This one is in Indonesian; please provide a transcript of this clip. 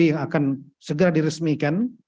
yang akan segera diresmikan